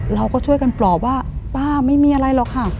เราก็ช่วยกันปลอบว่าป้าไม่มีอะไรหรอกค่ะ